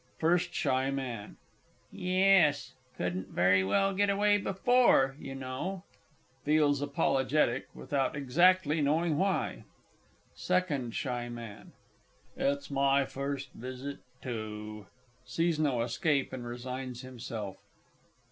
FIRST S. M. Yes. Couldn't very well get away before, you know. [Feels apologetic, without exactly knowing why. SECOND S. M. It's my first visit, too. (_Sees no escape, and resigns himself.